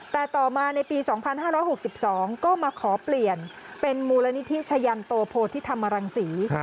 แต่ต่อมาในปีสองพันห้าร้อยหกสิบสองก็มาขอเปลี่ยนเป็นมูลณิธิชะยันตโภธิธรรมรังศรี